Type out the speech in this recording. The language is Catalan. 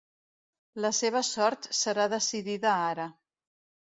La seva sort serà decidida ara.